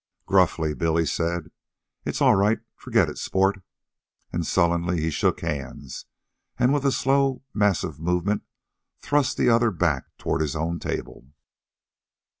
Gruffly, Billy said, "It's all right forget it, sport;" and sullenly he shook hands and with a slow, massive movement thrust the other back toward his own table.